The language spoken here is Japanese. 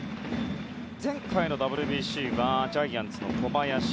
前回のＷＢＣがジャイアンツの小林。